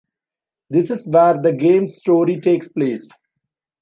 This is where the game's story takes place.